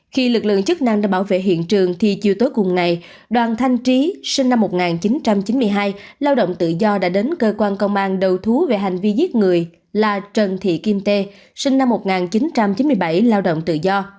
khi lực lượng chức năng đã bảo vệ hiện trường thì chiều tối cùng ngày đoàn thanh trí sinh năm một nghìn chín trăm chín mươi hai lao động tự do đã đến cơ quan công an đầu thú về hành vi giết người là trần thị kim tê sinh năm một nghìn chín trăm chín mươi bảy lao động tự do